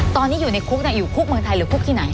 ตอนนี้อยู่ในคุกอยู่คุกเมืองไทยหรือคุกที่ไหน